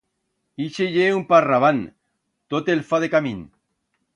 Ixe ye un parrabán, tot el fa decamín.